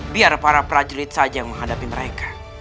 biar para prajurit saja yang menghadapi mereka